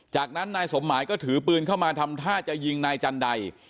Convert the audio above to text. จากนั้นนายสมหมายก็ถือปืนเข้ามาทำท่าจะยิงนายจันได